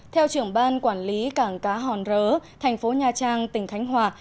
theo trưởng ban quản lý cảng cá hòn rớ thành phố nha trang tỉnh khánh hòa